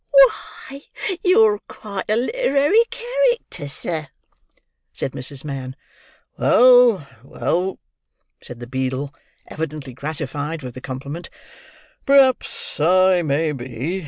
"Why, you're quite a literary character, sir!" said Mrs. Mann. "Well, well," said the beadle, evidently gratified with the compliment; "perhaps I may be.